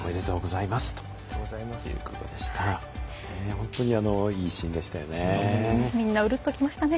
本当にいいシーンでしたよね。